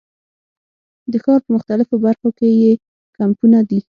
د ښار په مختلفو برخو کې یې کمپونه دي.